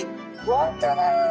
本当だ！